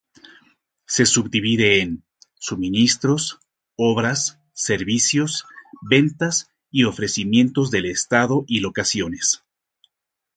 Se subdivide en: Suministros, Obras, Servicios, Ventas y Ofrecimientos del Estado y Locaciones.